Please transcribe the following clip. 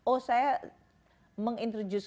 oh saya menginterjus